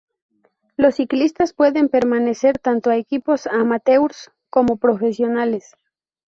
Los ciclistas pueden pertenecer tanto a equipos amateurs como profesionales.